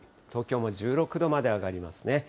東京も１６度まで上がりますね。